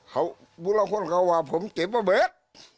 เขาบูหลังคว้นเขาว่าผมเก็บระเบิด